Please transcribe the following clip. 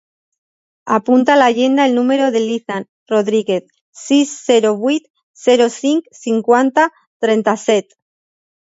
Apunta a l'agenda el número de l'Ethan Rodriguez: sis, zero, vuit, zero, cinc, cinquanta, trenta-set.